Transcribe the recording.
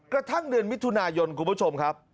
กระทั่งเดือนมิถุนายนคุณผู้ชมครับ